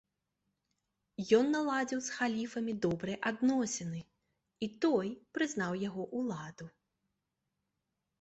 Ён наладзіў з халіфам добрыя адносіны, і той прызнаў яго ўладу.